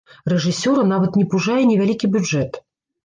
Рэжысёра нават не пужае невялікі бюджэт.